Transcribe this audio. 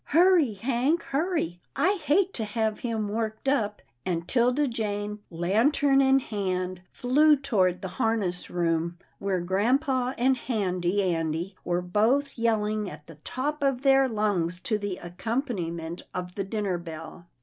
" Hurry, Hank, hurry — I hate to have him worked up," and 'Tilda Jane, lantern in hand, flew toward the harness room, where grampa and Handy Andy were both yelling at the top of their lungs to the accompaniment of the dinner bell.